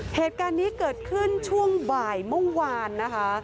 เหตุการณ์นี้เกิดขึ้นช่วงบ่ายเมื่อวานนะคะ